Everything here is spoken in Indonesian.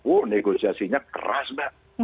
oh negosiasinya keras mbak